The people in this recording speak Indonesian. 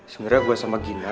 sebenernya gue sama gina